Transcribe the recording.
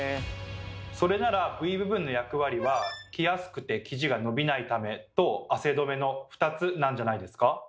それならＶ部分の役割は「着やすくて生地が伸びないため」と「汗どめ」の２つなんじゃないですか？